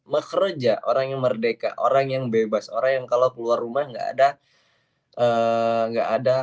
bekerja orang yang merdeka orang yang bebas orang yang kalau keluar rumah nggak ada nggak ada